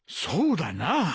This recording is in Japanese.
そうだな。